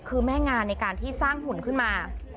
คือแม่งานในการที่สร้างหุ่นขึ้นมา